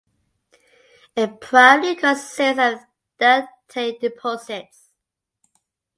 It primarily consists of deltaic deposits.